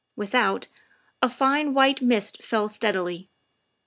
Without, a fine white mist fell steadily.